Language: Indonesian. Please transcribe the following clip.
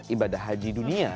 ibadah di dunia